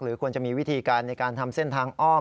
ควรจะมีวิธีการในการทำเส้นทางอ้อม